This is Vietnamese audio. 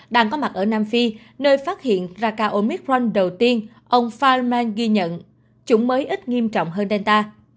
đang có mặt ở nam phi nơi phát hiện raka omicron đầu tiên ông feynman ghi nhận chủng mới ít nghiêm trọng hơn delta